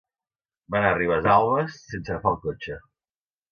Va anar a Ribesalbes sense agafar el cotxe.